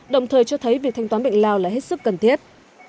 đồng thời cho thấy việc thanh toán bệnh lao là hết sức cần thiết